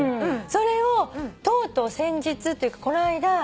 それをとうとう先日というかこの間。